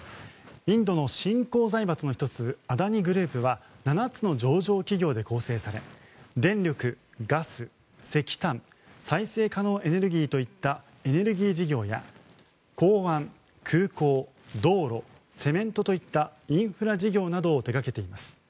インドの新興財閥の１つアダニ・グループは７つの上場企業で構成され電力、ガス、石炭再生可能エネルギーといったエネルギー事業や港湾、空港、道路セメントといったインフラ事業などを手掛けています。